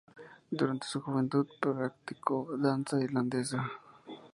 Durante su juventud practicó danza irlandesa.